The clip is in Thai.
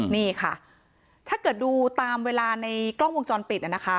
นี่ค่ะถ้าเกิดดูตามเวลาในกล้องวงจรปิดนะคะ